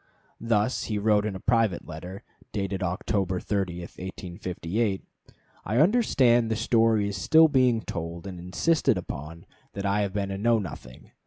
Thus he wrote in a private letter, dated October 30, 1858: "I understand the story is still being told and insisted upon that I have been a Know Nothing.